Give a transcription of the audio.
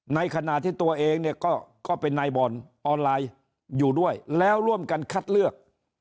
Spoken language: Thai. ในขณะที่ตัวเองเนี่ยก็เป็นนายบอลออนไลน์อยู่ด้วยแล้วร่วมกันคัดเลือก